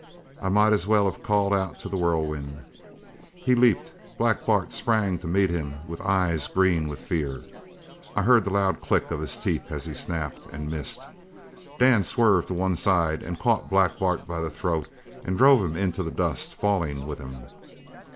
"I might as well have called out to a whirlwind. He leaped. Black Bart sprang to meet him with eyes green with fear. I heard the loud click of his teeth as he snapped and missed. Dan swerved to one side and caught Black Bart by the throat and drove him into the dust, falling with him.